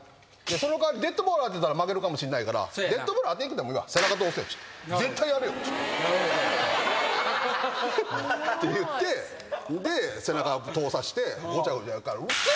その代わりデッドボール当てたら負けるかもしんないから「デッドボール当てんくてもいいわ」「絶対やれよ」っつって。って言ってで背中通させてごちゃごちゃ言うから。